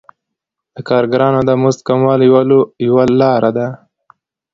د کارګرانو د مزد کموالی یوه لاره ده